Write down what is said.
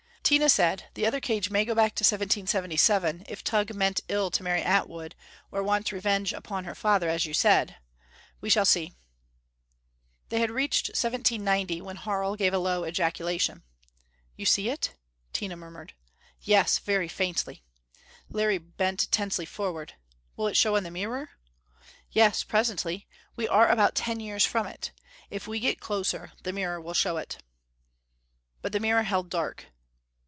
Tina said. "The other cage may go back to 1777, if Tugh meant ill to Mary Atwood, or wants revenge upon her father, at you said. We shall see." They had reached 1790 when Harl gave a low ejaculation. "You see it?" Tina murmured. "Yes. Very faintly." Larry bent tensely forward. "Will it show on the mirror?" "Yes; presently. We are about ten years from it. If we get closer, the mirror will show it." But the mirror held dark.